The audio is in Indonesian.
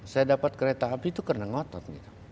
saya dapat kereta api itu karena ngotot